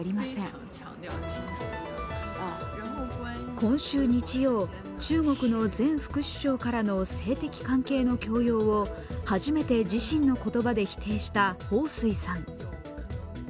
今週日曜、中国の前副首相からの性的関係の強要を初めて自身の言葉で否定した彭帥さん。